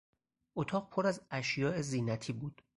اتاق پر از اشیای زینتی بود.